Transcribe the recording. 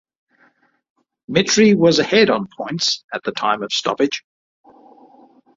Mitri was ahead on points, at the time of stoppage.